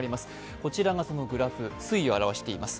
こちらがそのグラフ、推移を表しています。